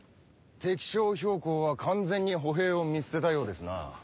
敵将・公は完全に歩兵を見捨てたようですな。